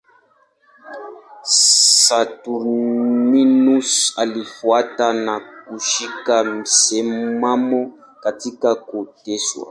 Saturninus alifuata na kushika msimamo katika kuteswa.